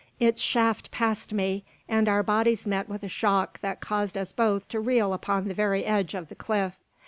Its shaft passed me; and our bodies met with a shock that caused us both to reel upon the very edge of the cliff.